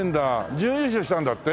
準優勝したんだって？